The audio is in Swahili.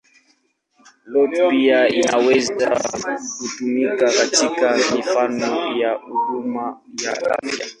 IoT pia inaweza kutumika katika mifumo ya huduma ya afya.